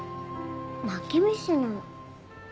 泣き虫なの。